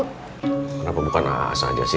kenapa bukan ah saja sih